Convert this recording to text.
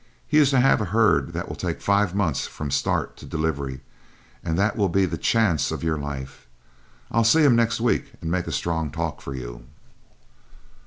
He is to have a herd that will take five months from start to delivery, and that will be the chance of your life. I'll see him next week and make a strong talk for you."